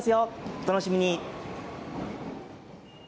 お楽しみに。